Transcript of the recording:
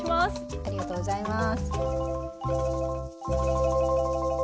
ありがとうございます。